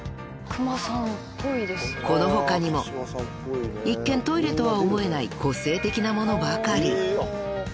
［この他にも一見トイレとは思えない個性的なものばかり］